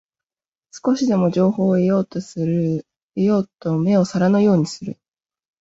少しでも情報を得ようと目を皿のようにする